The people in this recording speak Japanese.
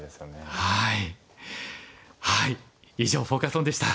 はい。